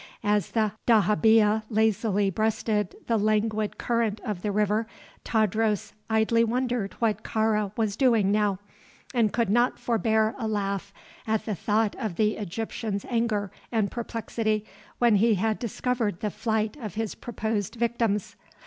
As the dahabeah lazily breasted the languid current of the river, Tadros idly wondered what Kāra was doing now, and could not forbear a laugh at the thought of the Egyptian's anger and perplexity when he had discovered the flight of his proposed victims.